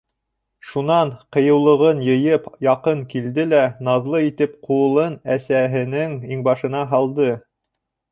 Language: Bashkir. Шунан, ҡыйыулығын йыйып, яҡын килде лә наҙлы итеп ҡулын әсәһенең иңбашына һалды.